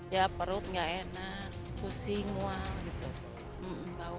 ya perut nggak enak pusing mual gitu bau